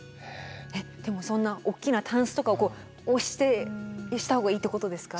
えっでもそんな大きなタンスとかを押してした方がいいってことですか？